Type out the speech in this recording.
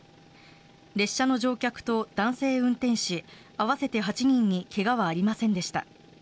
列車の乗客と男性運転士合わせて８人に怪我はありませんでした。